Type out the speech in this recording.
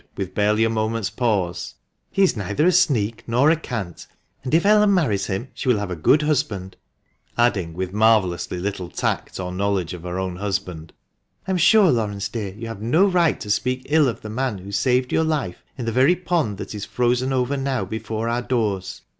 403 with barely a moment's pause, " He is neither a sneak nor a cant, and if Ellen marries him she will have a good husband ;" adding with marvellously little tact or knowledge of her own husband, " I am sure, Laurence, dear, you have no right to speak ill of the man who saved your life in the very pond that is frozen over now before our doors